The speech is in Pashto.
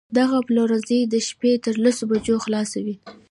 دغه پلورنځی د شپې تر لسو بجو خلاص وي